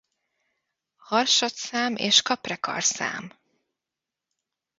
Harshad-szám és Kaprekar-szám.